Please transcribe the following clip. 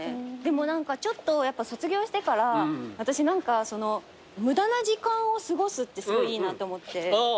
ちょっと卒業してから私何か無駄な時間を過ごすってすごいいいなと思って。